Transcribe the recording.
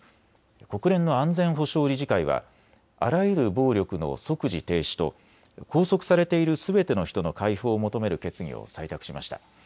国連の安全保障理事会はあらゆる暴力の即時停止と拘束されているすべての人の解放を求める決議を採択しました。